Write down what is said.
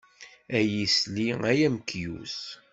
Ay isli ay amekyus.